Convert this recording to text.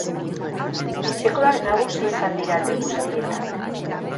Etxekoak nagusi izan dira alde guztietan.